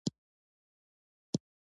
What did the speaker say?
غوښې د افغانستان د طبیعي پدیدو یو رنګ دی.